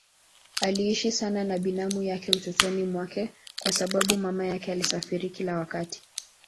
Aliishi sana na binamu yake utotoni mwake kwa sababu mama yake alisafiri kila wakati.